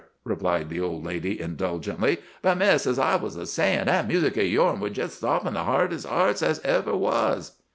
replied the old lady indulgently. 'But, Miss, as I was a sayin', that music of yourn would jest soften the hardest heart as ever was.